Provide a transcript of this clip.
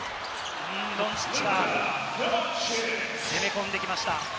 ドンチッチが攻め込んできました。